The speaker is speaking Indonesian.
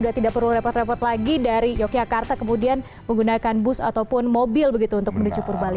sudah tidak perlu repot repot lagi dari yogyakarta kemudian menggunakan bus ataupun mobil begitu untuk menuju purbali